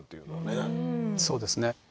そうですね。